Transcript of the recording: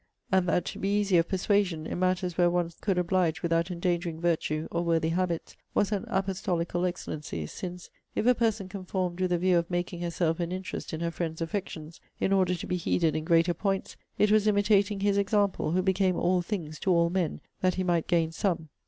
And that to be easy of persuasion, in matters where one could oblige without endangering virtue, or worthy habits, was an apostolical excellency; since, if a person conformed with a view of making herself an interest in her friend's affections, in order to be heeded in greater points, it was imitating His example, who became all things to all men, that He might gain some.'